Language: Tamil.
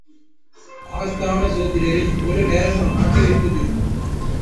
ஆஸ்தான சோதிடரை இவ்வளவு நேரமா காக்க வைப்பது?